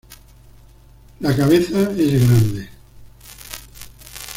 La cabeza es grande.